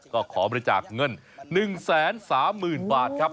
ก็ขอบริจาคเงิน๑๓๐๐๐บาทครับ